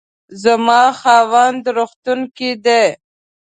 زما خاوند روغتون کې دی